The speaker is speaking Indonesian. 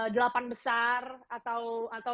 delapan besar atau